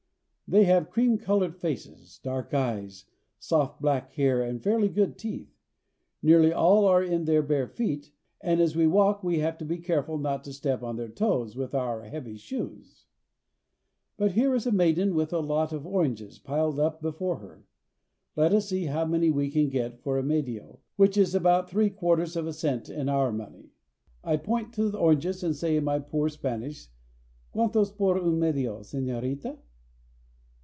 They have cream colored faces, dark eyes, soft black hair, and fairly good teeth. Nearly all are in their bare feet, and as we walk we have to be careful not to step on their toes with our heavy shoes. But here is a maiden with a lot of oranges piled up be fore her. Let us see how many we can get for a medio. " You often see a hundred women trotting along thus in single file." which is about three quarters of a cent of our money. I point to the oranges and say in my poor Spanish :Quantos por un medio, sefiorita?